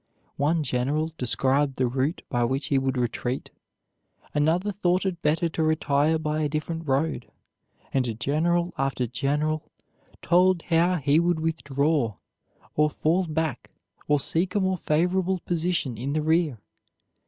One general described the route by which he would retreat, another thought it better to retire by a different road, and general after general told how he would withdraw, or fall back, or seek a more favorable position in the rear.